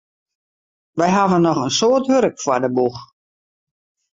Wy hawwe noch in soad wurk foar de boech.